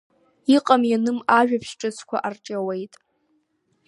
Иҟам-ианым ажәабжь ҿыцқәа арҿиауеит.